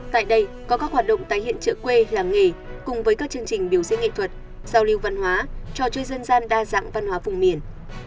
tại đây có các hoạt động tái hiện trợ quê làng nghề cùng với các chương trình biểu diễn nghệ thuật giao lưu văn hóa trò chơi dân gian đa dạng văn hóa vùng miền